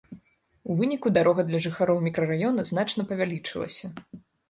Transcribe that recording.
У выніку дарога для жыхароў мікрараёна значна павялічылася.